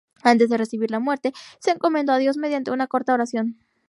Antes de recibir la muerte, se encomendó a Dios mediante una corta oración.